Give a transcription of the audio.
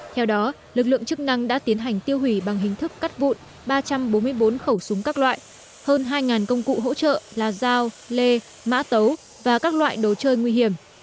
theo đó lực lượng chức năng đã tiến hành tiêu hủy bằng hình thức cắt vụn ba trăm bốn mươi bốn khẩu súng các loại hơn hai công cụ hỗ trợ là dao lê mã tấu và các loại đồ chơi nguy hiểm